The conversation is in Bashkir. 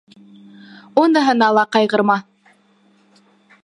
Уныһына ла ҡайғырма.